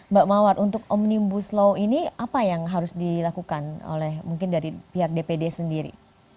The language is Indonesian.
mbak mawar untuk omnibus law ini apa yang harus dilakukan oleh mungkin dari pihak dpd sendiri